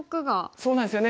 そうなんですよね。